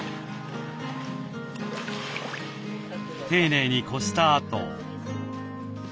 丁寧にこしたあと。